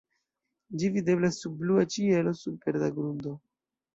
Ĝi videblas sub blua ĉielo sur verda grundo.